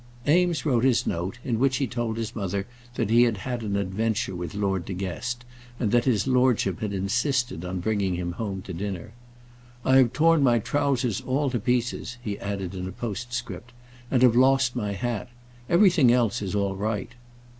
Eames wrote his note, in which he told his mother that he had had an adventure with Lord De Guest, and that his lordship had insisted on bringing him home to dinner. "I have torn my trowsers all to pieces," he added in a postscript, "and have lost my hat. Everything else is all right."